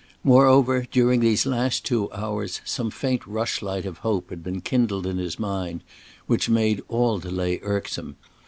Moreover during these last two hours, some faint rushlight of hope had been kindled in his mind which made all delay irksome.